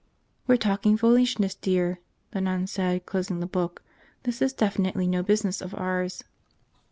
"We're talking foolishness, dear," the nun said, closing the book. "This is definitely no business of ours."